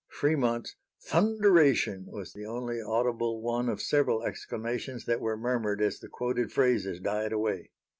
Fremont's "Thunderation!" was the only audible one of several exclamations that were murmured as the quoted phrases died away.